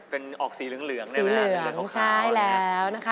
เป็นออกสีเหลืองได้ไหมฮะเหลืองขาวอย่างนี้ฮะสีเหลืองใช่แล้วนะคะ